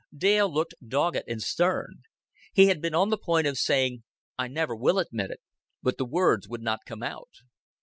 Dale looked dogged and stern. He had been on the point of saying, "I never will admit it;" but the words would not come out.